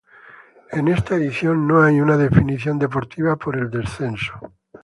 En esta edición no hay una definición deportiva por el descenso.